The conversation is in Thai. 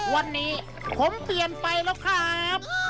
วันนี้ผมเปลี่ยนไปแล้วครับ